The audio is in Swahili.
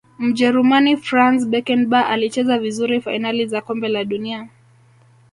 mjerumani franz beckenbauer alicheza vizuri fainali za kombe la dunia